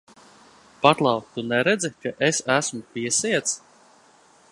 Paklau, tu neredzi, ka es esmu piesiets?